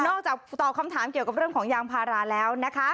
ตอบคำถามเกี่ยวกับเรื่องของยางพาราแล้วนะคะ